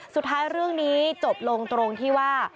สุดท้ายเรื่องนี้จบลงตรงที่ว่า